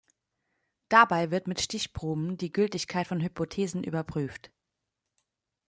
Dabei wird mit Stichproben die Gültigkeit von Hypothesen überprüft.